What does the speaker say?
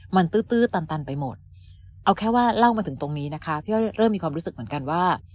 มันตื้อตันไปหมดเอาแค่ว่าเล่ามาถึงตรงนี้นะคะพี่อ้อยเริ่มมีความรู้สึกเหมือนกันว่า